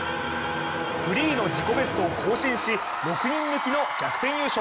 フリーの自己ベストを更新し６人抜きの逆転優勝。